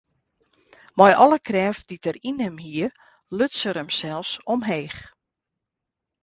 Mei alle krêft dy't er yn him hie, luts er himsels omheech.